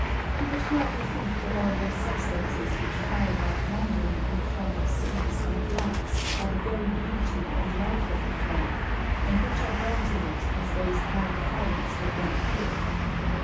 You would hardly • think that all those substances which fly about London, in the form of soots and blacks, are the very beauty and life of the flame, and which are burned in it as those iron filings were burn ed here.